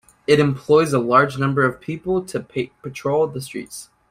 It employs a large number of people to patrol the streets.